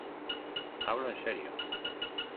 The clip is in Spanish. hablo en serio.